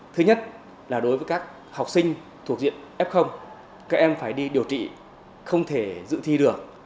thứ nhất là đối với các học sinh thuộc diện f các em phải đi điều trị không thể dự thi được